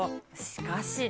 しかし。